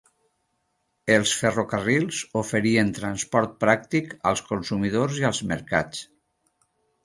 Els ferrocarrils oferien transport pràctic als consumidors i als mercats.